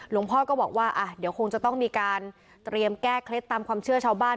หลวงพ่อก็บอกว่าเดี๋ยวคงจะต้องมีการเตรียมแก้เคล็ดตามความเชื่อชาวบ้าน